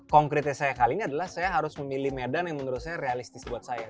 konkretnya saya kali ini adalah saya harus memilih medan yang menurut saya realistis buat saya